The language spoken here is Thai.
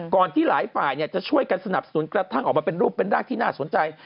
ที่หลายฝ่ายจะช่วยกันสนับสนุนกระทั่งออกมาเป็นรูปเป็นรากที่น่าสนใจ